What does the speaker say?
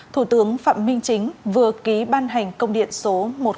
thủ tướng phạm minh chính vừa ký ban hành công điện số một nghìn một mươi bốn